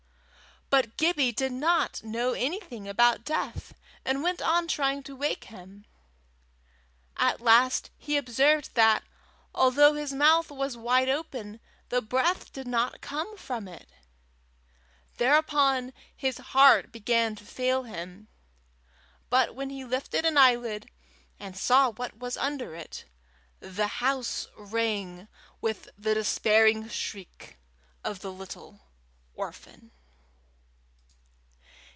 But Gibbie did not know anything about death, and went on trying to wake him. At last he observed that, although his mouth was wide open, the breath did not come from it. Thereupon his heart began to fail him. But when he lifted an eyelid, and saw what was under it, the house rang with the despairing shriek of the little orphan.